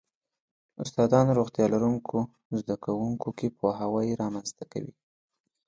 استادان روغتیا لرونکو زده کوونکو کې پوهاوی رامنځته کوي.